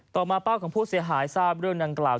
ต่อมาป้าของผู้เสียหายทราบเรื่องดังกล่าว